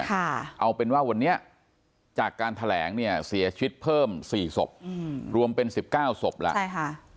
ค่ะเอาเป็นว่าวันนี้จากการแถลงเนี่ยเสียชีวิตเพิ่มสี่ศพอืมรวมเป็นสิบเก้าศพแล้วใช่ค่ะ